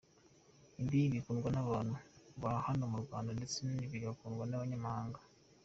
Ibi bikundwa n’abantu ba hano mu Rwanda ndetse bigakundwa n’abanyamahanga.